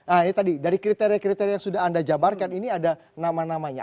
nah ini tadi dari kriteria kriteria yang sudah anda jabarkan ini ada nama namanya